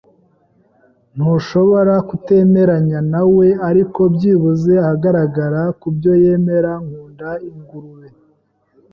Ntushobora kutemeranya nawe, ariko byibuze ahagarara kubyo yemera. Nkunda ingurube.